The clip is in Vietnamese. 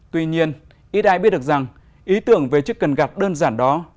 tuy nhiên ít ai biết được rằng ý tưởng về chiếc cần gạc đơn giản đó